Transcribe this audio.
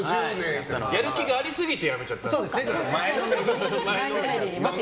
やる気がありすぎて辞めちゃった。